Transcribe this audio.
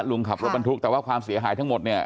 ขับรถบรรทุกแต่ว่าความเสียหายทั้งหมดเนี่ย